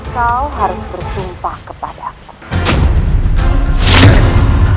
kau harus bersumpah kepada aku